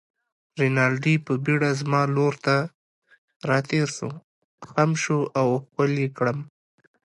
رینالډي په بېړه زما لور ته راتېر شو، خم شو او ښکل يې کړم.